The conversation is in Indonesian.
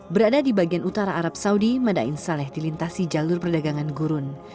berada di bagian utara arab saudi madain saleh dilintasi jalur perdagangan gurun